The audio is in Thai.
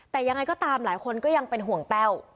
แต่ยังไงก็ตามหลายคนก็ยังเป็นห่วงแต้ว